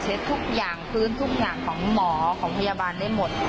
ทุกอย่างฟื้นทุกอย่างของหมอของพยาบาลได้หมด